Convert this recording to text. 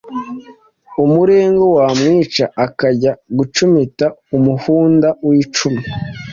umurengwe wamwica akajya gucumita umuhunda w’icumu